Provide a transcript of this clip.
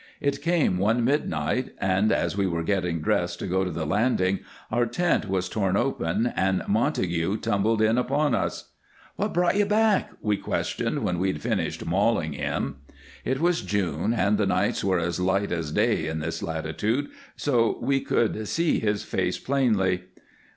It came one midnight, and as we were getting dressed to go to the landing our tent was torn open and Montague tumbled in upon us. "What brought you back?" we questioned when we'd finished mauling him. It was June, and the nights were as light as day in this latitude, so we could see his face plainly.